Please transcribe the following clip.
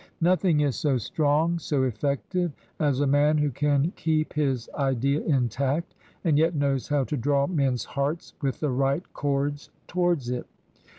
Nothing is so strong, so effective, as a man who can keep his Idea intact and yet knows how to draw men's hearts with the right cords towards it.